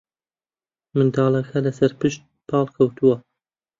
منداڵەکە لەسەرپشت پاڵکەوتووە